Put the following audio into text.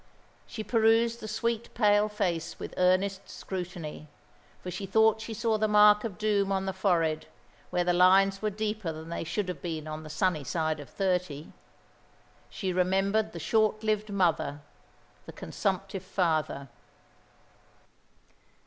She perused the sweet, pale face with earnest scrutiny, for she thought she saw the mark of doom on the forehead where the lines were deeper than they should have been on the sunny side of thirty. She remembered the short lived mother, the consumptive father.